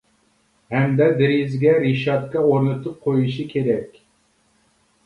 ھەمدە دېرىزىگە رېشاتكا ئورنىتىپ قويۇش كېرەك.